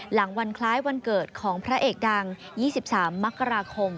หลังวันคล้ายวันเกิดของพระเอกดัง๒๓มกราคม